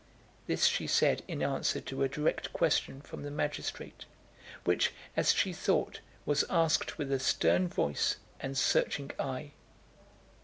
This she said in answer to a direct question from the magistrate, which, as she thought, was asked with a stern voice and searching eye.